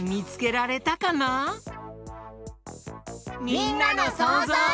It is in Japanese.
みんなのそうぞう。